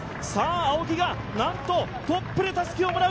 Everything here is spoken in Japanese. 青木がなんとトップでたすきをもらう。